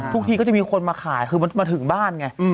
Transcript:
พวกทีก็จะมีคนมาขายคือเมื่อถึงบ้านไง